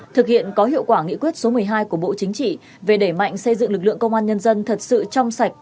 thực hiện có hiệu quả nghị quyết số một mươi hai của bộ chính trị về đẩy mạnh xây dựng lực lượng công an nhân dân thật sự trong sạch